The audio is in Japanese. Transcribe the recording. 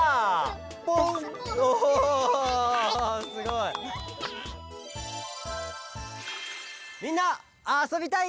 ポン！おすごい！「みんなあそびたい？」